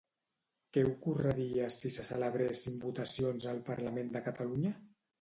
Què ocorreria si se celebressin votacions al Parlament de Catalunya?